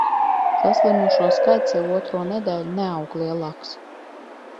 Saslimušo skaits jau otro nedēļu neaug lielāks.